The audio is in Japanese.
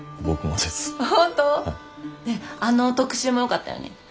ねえあの特集もよかったよね。